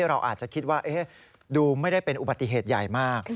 เราอาจจะคิดว่าดูไม่ได้เป็นอุบัติเหตุใหญ่มาก